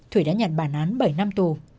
thủy đã nhận bản án bảy năm tù